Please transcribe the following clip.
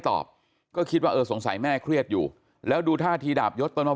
ตอบก็คิดว่าเออสงสัยแม่เครียดอยู่แล้วดูท่าทีดาบยศตอนมา